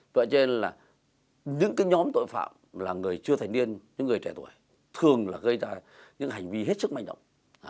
vậy cho nên là những cái nhóm tội phạm là người chưa thành niên những người trẻ tuổi thường là gây ra những hành vi hết sức manh động